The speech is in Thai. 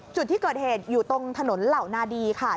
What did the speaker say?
จุดที่เกิดเหตุอยู่ตรงถนนเหล่านาดีค่ะ